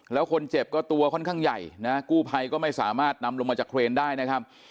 แล้วคนเจ็บก็ตัวค่อนข้างใหญ่นะกู้ภัยก็ไม่สามารถนำลงมาจากเครนได้นะครับ